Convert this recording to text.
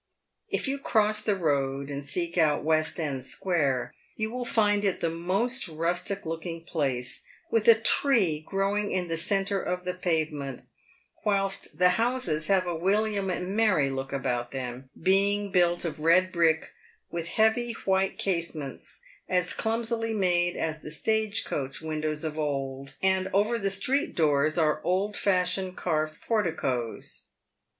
If you cross the road and seek out West end square, you will find it the most rustic looking place, with a tree growing in the centre of the pavement, whilst the houses have a William and Mary look about them, being built of red brick, with heavy white casements, as clumsily made as the stage coach windows of old, and over the street doors are old fashioned carved porticos.